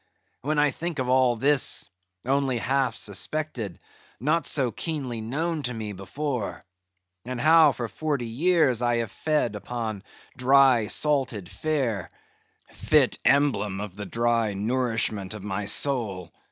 —when I think of all this; only half suspected, not so keenly known to me before—and how for forty years I have fed upon dry salted fare—fit emblem of the dry nourishment of my soil!